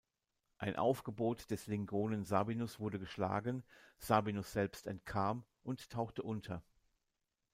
Ein Aufgebot des Lingonen Sabinus wurde geschlagen, Sabinus selbst entkam und tauchte unter.